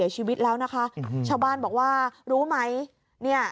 ชาวบ้านบอกว่ารู้ไหมนี่น่ะ